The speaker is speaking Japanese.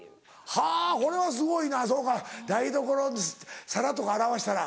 はぁこれはすごいなそうか台所皿とか洗わしたら。